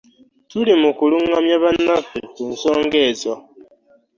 Tuli mu kuluŋŋamya bannaffe ku nsonga ezo.